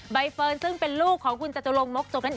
ใบเฟิร์นซึ่งเป็นลูกของคุณจตุลงมกจกนั่นเอง